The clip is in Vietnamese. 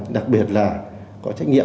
đặc biệt là có trách nhiệm